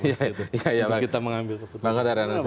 itu kita mengambil keputusan